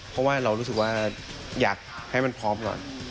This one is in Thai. เพราะว่าเรารู้สึกว่าอยากให้มันพร้อมก่อน